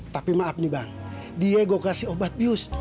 tapi maaf nih bang dia gue kasih obat bius